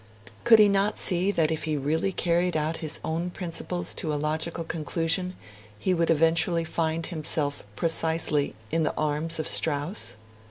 Could he not see that if he really carried out his own principles to a logical conclusion he would eventually find himself, precisely, in the arms of Strauss?